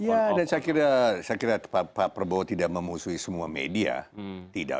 ya dan saya kira pak prabowo tidak memusuhi semua media